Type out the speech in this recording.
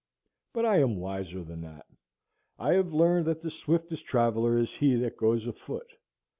But I am wiser than that. I have learned that the swiftest traveller is he that goes afoot.